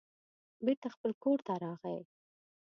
بېرته خپل کور ته راغی.